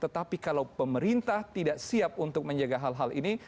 tetapi kalau pemerintah tidak siap untuk menjaga hal hal ini